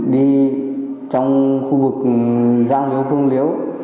đi trong khu vực giang liễu phương liễu